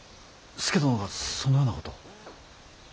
佐殿がそのようなことを。